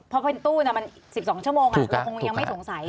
เพราะเป็นตู้มัน๑๒ชั่วโมงเราคงยังไม่สงสัย